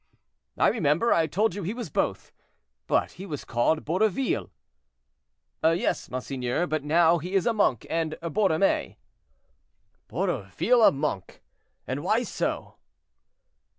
"I remember; I told you he was both. But he was called Borroville." "Yes, monseigneur; but now he is a monk, and Borromée." "Borroville a monk! and why so?"